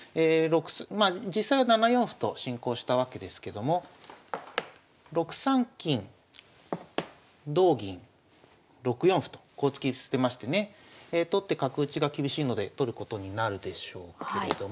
まあ実際は７四歩と進行したわけですけども６三金同銀６四歩とこう突き捨てましてね取って角打ちが厳しいので取ることになるでしょうけれども。